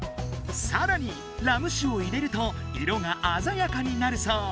さらにラム酒を入れると色があざやかになるそう。